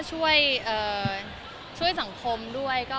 ห้องโตไหมคะห้องโตไหมคะ